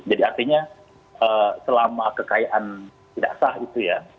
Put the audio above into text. jadi artinya selama kekayaan tidak sah itu ya